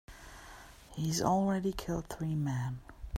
He's already killed three men.